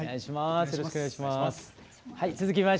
よろしくお願いします。